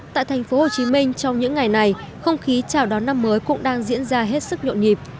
tại tp hcm trong những ngày này không khí chào đón năm mới cũng đang diễn ra hết sức nhộn nhịp